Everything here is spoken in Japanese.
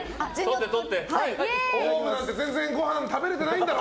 ＯＷＶなんて全然ごはん食べれてないんだろ？